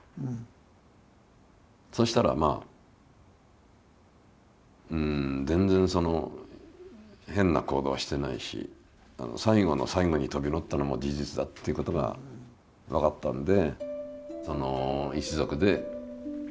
そしたらまあ全然変な行動はしてないし最後の最後に飛び乗ったのも事実だっていうことが分かったんで。